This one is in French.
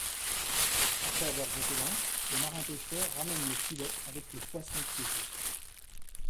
Après avoir jeté l'ancre, les marins-pêcheurs ramènent le filet avec le poisson piégé.